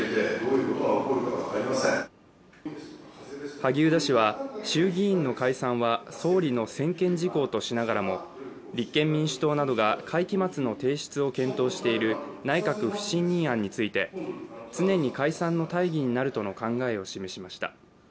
萩生田氏は衆議院の解散は総理の専権事項としながらも立憲民主党などが会期末の提出を検討している内閣不信任案について常に解散の大義になるとの考えを示しました。